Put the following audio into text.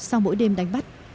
sau mỗi đêm đánh bắt